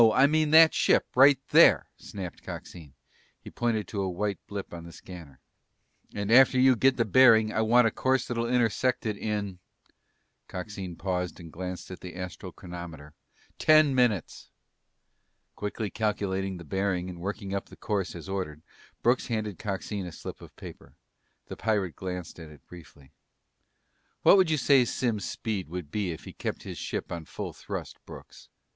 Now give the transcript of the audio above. I mean that ship, right there," snapped Coxine. He pointed to a white blip on the scanner. "And after you get the bearing I want a course that'll intersect it in" Coxine paused and glanced at the astral chronometer "ten minutes!" Quickly calculating the bearing and working up the course as ordered, Brooks handed Coxine a slip of paper. The pirate glanced at it briefly. "What would you say Simms' speed would be if he kept his ship on full thrust, Brooks?"